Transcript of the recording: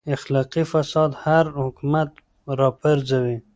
اخلاقي فساد هر حکومت راپرځوي.